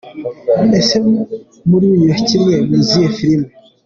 Ese muniru yakinnye mu zihe filime?.